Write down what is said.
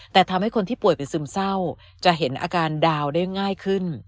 แต่ทำให้คนที่ป่วยเป็นซึมเศร้าจะเห็นอาการดาวได้ง่ายขึ้น